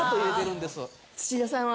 土田さんは？